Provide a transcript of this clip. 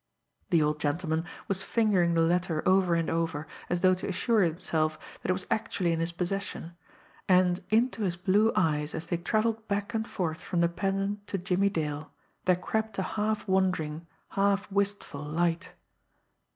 The old gentleman was fingering the letter over and over, as though to assure himself that it was actually in his possession; and into his blue eyes, as they travelled back and forth from the pendant to Jimmie Dale, there crept a half wondering, half wistful light.